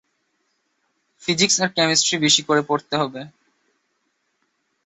Physics আর chemistry বেশি করে পড়তে হবে।